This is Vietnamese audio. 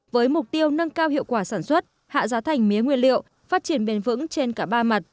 với mục tiêu nâng cao hiệu quả sản xuất hạ giá thành mía nguyên liệu phát triển bền vững trên cả ba mặt